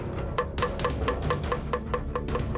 dari mana dia bisa mencobanya